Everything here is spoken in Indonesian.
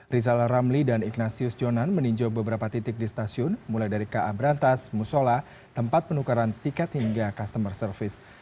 rizal ramli dan ignatius jonan meninjau beberapa titik di stasiun mulai dari ka berantas musola tempat penukaran tiket hingga customer service